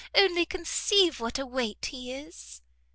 Only conceive what a weight he is!"